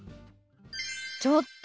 ちょっと！